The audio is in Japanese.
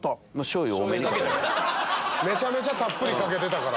めちゃめちゃたっぷりかけてたから。